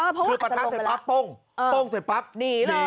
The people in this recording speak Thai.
คือปะทะเสร็จปั๊บโป้งโป้งเสร็จปั๊บหนีเลย